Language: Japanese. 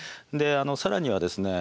更にはですね